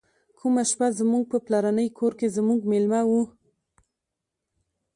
کومه شپه زموږ په پلرني کور کې زموږ میلمه و.